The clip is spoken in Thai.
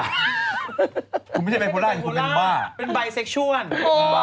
คุณไม่ใช่ไบโพล่าแต่คุณเป็นบ้าเป็นไบเซ็กชั่วนต์เป็นบ้า